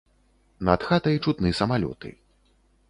Над хатай чутны самалёты.